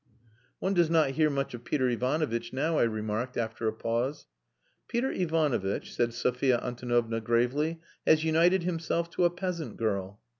"One does not hear much of Peter Ivanovitch now," I remarked, after a pause. "Peter Ivanovitch," said Sophia Antonovna gravely, "has united himself to a peasant girl."